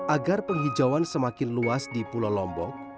agar penghijauan semakin luas di pulau lombok